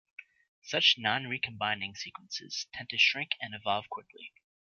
Such non-recombining sequences tend to shrink and evolve quickly.